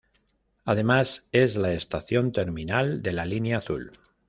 Además, es la estación terminal de la Línea Azul.